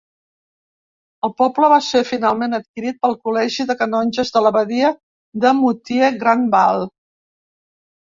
El poble va ser finalment adquirit pel col·legi de canonges de l'abadia de Moutier-Grandval.